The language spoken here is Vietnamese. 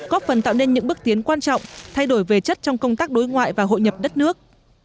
góp phần tạo nên những bước tiến quan trọng thay đổi về chất trong công tác đối ngoại và hội nhập đất nước